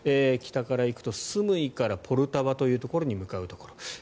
北から行くとスムイからポルタワというところに向かうところ。